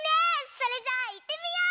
それじゃあいってみよう！